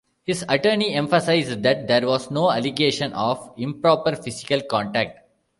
His attorney emphasized that there was no allegation of improper physical contact.